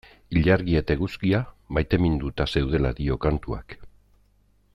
Ilargia eta eguzkia maiteminduta zeudela dio kantuak.